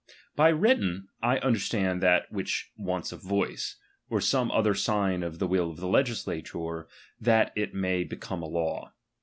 By written, I understand that which wants a voice, or some other sign of the ^L will of the legislator, that it may become a law.